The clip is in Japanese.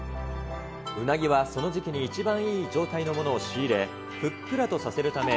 うなぎはその時期に一番いい状態のものを仕入れ、ふっくらとさせるため、